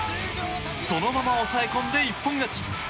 そのまま抑え込んで一本勝ち。